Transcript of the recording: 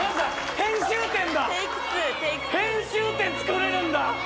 編集点作れるんだ！